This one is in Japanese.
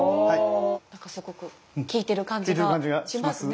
なんかすごく効いてる感じがしますね。